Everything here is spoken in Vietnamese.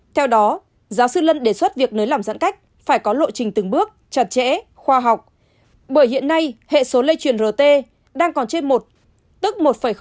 theo đó giáo sư lân đề xuất việc nới lỏng giãn cách phải có lộ trình từng bước chặt chẽ khoa học bởi hiện nay hệ số lây truyền rt đang còn trên một tức một một